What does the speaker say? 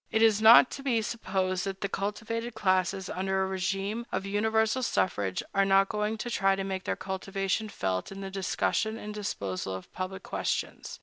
It is not to be supposed that the cultivated classes, under a régime of universal suffrage, are not going to try to make their cultivation felt in the discussion and disposal of public questions.